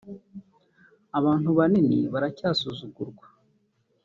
“abantu banini barasuzugurwa